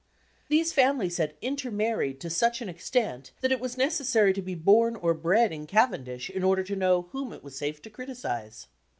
These families had inter married to such an extent that it was necessary to be bom or bred in Cavendish in order to know whom it was safe to criticize.